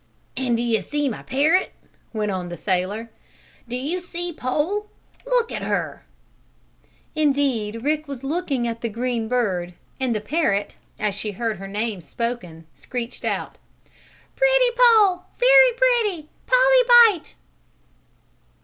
"And do you see my parrot?" went on the sailor. "Do you see Poll? Look at her!" Indeed Rick was looking at the green bird, and the parrot, as she heard her name spoken, screeched out: "Pretty Poll! Very pretty! Polly bite!"